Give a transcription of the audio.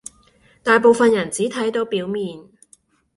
大部分人只睇到表面